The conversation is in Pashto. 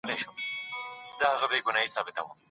افغانستان له نړیوالو سازمانونو سره همکاري نه لري.